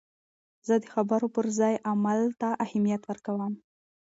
زه د خبرو پر ځای عمل ته اهمیت ورکوم.